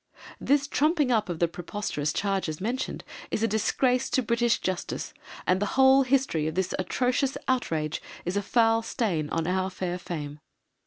This trumping up of the preposterous charges mentioned is a disgrace to British Justice, and the whole history of this atrocious outrage is a foul stain on our fair fame.